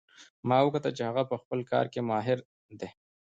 ما وکتل چې هغه په خپل کار کې ماهر ده